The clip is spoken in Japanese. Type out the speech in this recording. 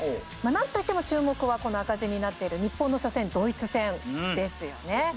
なんといっても注目はこの赤字になっている日本の初戦ドイツ戦ですよね。